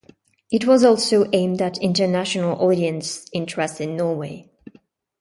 It was also aimed at international audience interested in Norway.